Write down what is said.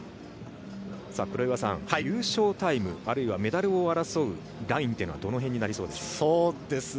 優勝タイムあるいはメダルを争うラインというのはどの辺になりそうですか？